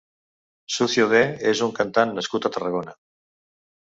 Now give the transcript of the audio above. Sucio D és un cantant nascut a Tarragona.